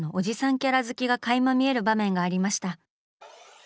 キャラ好きがかいま見える場面がありました。